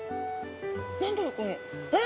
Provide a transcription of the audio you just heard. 何だろうこれ？わ！